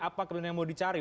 apa kemudian yang mau dicari